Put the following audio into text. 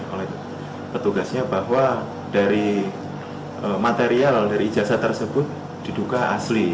oleh petugasnya bahwa dari material dari ijazah tersebut diduga asli